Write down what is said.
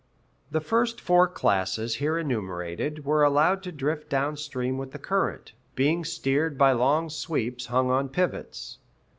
The first four classes here enumerated, were allowed to drift down stream with the current, being steered by long sweeps hung on pivots.